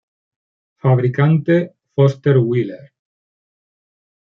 Fabricante: Foster Wheeler.